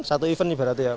satu event ibaratnya